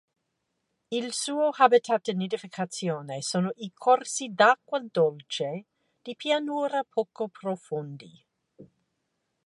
Il suo habitat di nidificazione sono i corsi d'acqua dolce di pianura poco profondi.